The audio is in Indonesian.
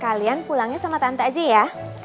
kalian pulangnya sama tante aja ya